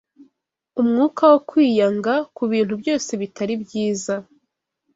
umwuka wo kwiyanga ku bintu byose bitari byiza